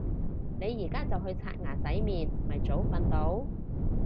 你而家就去刷牙洗面咪早瞓到